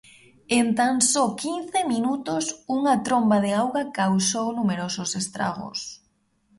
En tan só quince minutos unha tromba de auga causou numerosos estragos.